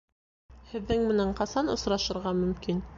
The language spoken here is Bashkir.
Һеҙҙең менән ҡасан осрашырға мөмкин?